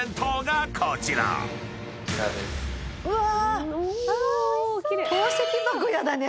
うわ！